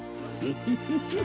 フフフッ！